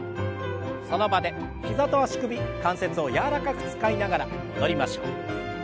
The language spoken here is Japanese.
その場で膝と足首関節を柔らかく使いながら戻りましょう。